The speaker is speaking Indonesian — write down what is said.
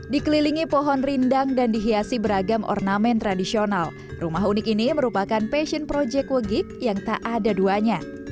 dikelilingi pohon rindang dan dihiasi beragam ornamen tradisional rumah unik ini merupakan passion project wegik yang tak ada duanya